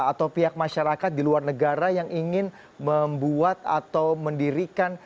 atau pihak masyarakat di luar negara yang ingin membuat atau mendirikan